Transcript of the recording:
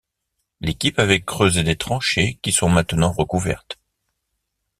L'équipe avait creusé des tranchées qui sont maintenant recouvertes.